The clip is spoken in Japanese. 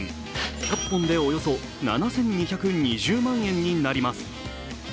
１００本でおよそ７２２０万円になります